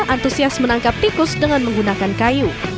antusias menangkap tikus dengan menggunakan kayu